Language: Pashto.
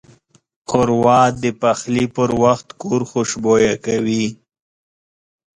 ښوروا د پخلي پر وخت کور خوشبویه کوي.